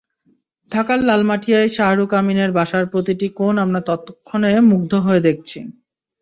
ঢাকার লালমাটিয়ায় শাহরুখ আমিনের বাসার প্রতিটি কোণ আমরা ততক্ষণে মুগ্ধ হয়ে দেখছি।